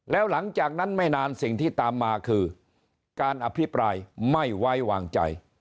แล้วหลังจากนั้นไม่นานสิ่งที่ตามมาคือการอภิปรายไม่ไว้วางใจ